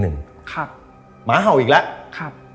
หมาเห่าอีกแล้ว